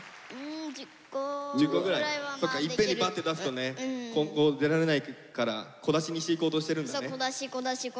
そっかいっぺんにバッて出すとね今後出られないから小出しにしていこうとしてるんだね。